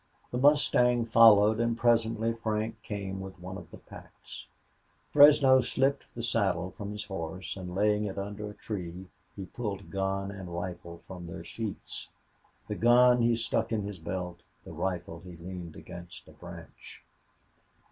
The mustang followed, and presently Frank came with one of the packs. Fresno slipped the saddle from his horse, and, laying it under a tree, he pulled gun and rifle from their sheaths. The gun he stuck in his belt; the rifle he leaned against a branch.